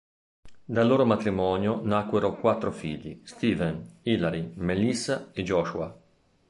Dal loro matrimonio nacquero quattro figli: Stephen, Hilary, Melissa e Joshua.